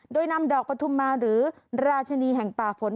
โดยนำดอกปฐุมมาหรือราชินีแห่งป่าฝน